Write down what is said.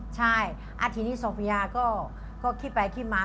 ใช่ทีนี้ศพยาก็คิดไปคิดมา